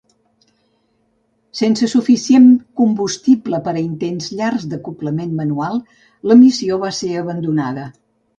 Sense suficient combustible per a intents llargs d'acoblament manual, la missió va ser abandonada.